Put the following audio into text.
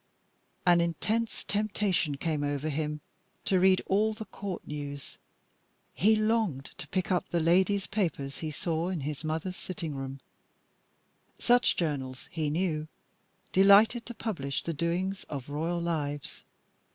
An intense temptation came over him to read all the Court news. He longed to pick up the ladies' papers he saw in his mother's sitting room; such journals, he knew, delighted to publish the doings of royal lives.